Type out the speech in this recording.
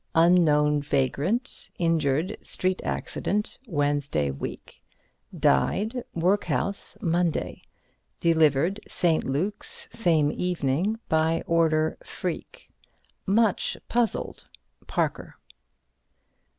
Unknown vagrant injured street accident Wednesday week. Died workhouse Monday. Delivered St. Luke's same evening by order Freke. Much puzzled. Parker."